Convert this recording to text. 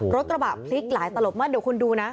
กระบะพลิกหลายตลบมากเดี๋ยวคุณดูนะ